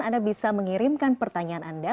anda bisa mengirimkan pertanyaan anda